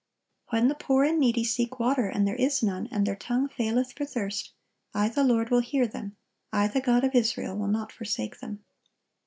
"When the poor and needy seek water, and there is none, and their tongue faileth for thirst, I the Lord will hear them, I the God of Israel will not forsake them."